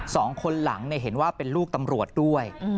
สองคนหลังเห็นว่าเป็นลูกตำรวจด้วย